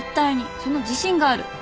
その自信がある。